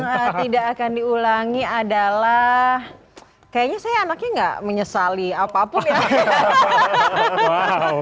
yang tidak akan diulangi adalah kayaknya saya anaknya nggak menyesali apapun ya